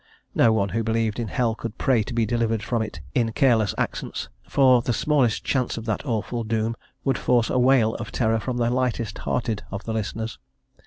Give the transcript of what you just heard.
No one who believed in hell could pray to be delivered from it in careless accents, for the smallest chance of that awful doom would force a wail of terror from the lightest hearted of the listeners.